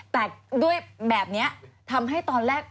แต่ด้วยแบบนี้ทำให้ตอนแรก